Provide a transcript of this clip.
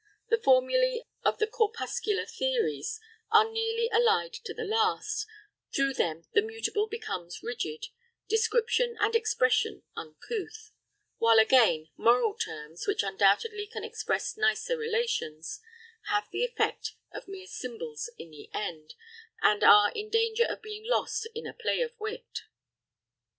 The formulæ of the corpuscular theories are nearly allied to the last; through them the mutable becomes rigid, description and expression uncouth: while, again, moral terms, which undoubtedly can express nicer relations, have the effect of mere symbols in the end, and are in danger of being lost in a play of wit.